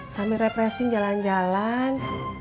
sambil represin jalan jalan